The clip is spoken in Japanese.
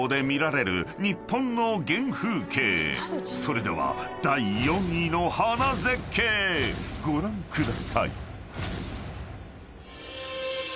［それでは第４位の花絶景ご覧ください］